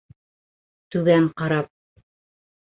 Түбән ҡарап: